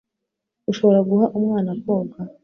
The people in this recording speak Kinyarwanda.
Ushobora guha umwana koga?